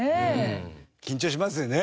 緊張しますよね